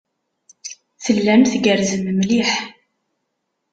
Tellam tgerrzem mliḥ.